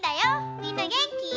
みんなげんき？